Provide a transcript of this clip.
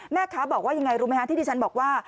แม่คะบอกว่าอย่างไรรู้ไหมคะที่ดิฉันบอกว่า